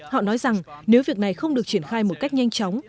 họ nói rằng nếu việc này không được triển khai một cách nhanh chóng